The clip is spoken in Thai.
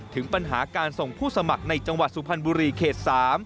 ถึงปัญหาการส่งผู้สมัครในจังหวัดสุพรรณบุรีเขต๓